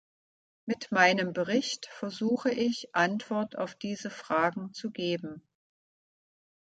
Mit meinem Bericht versuche ich, Antwort auf diese Fragen zu geben.